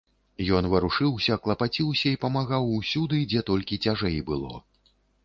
Ён варушыўся, клапаціўся і памагаў усюды, дзе толькі цяжэй было.